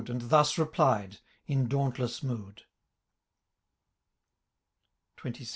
And thus replied, in dauntless mood :— XXVI.